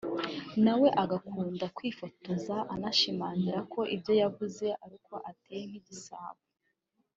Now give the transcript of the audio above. nawe agukunda kwifotoza anashimangira ko ibyo yavuze ari uko ateye nk’igisabo